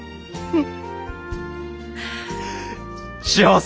うん。